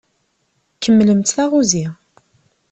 Kemmlemt taɣuzi.